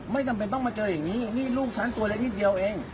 ไม่จำเป็นต้องมาเจออย่างนี้นี่ลูกฉันตัวเล็กนิดเดียวเอง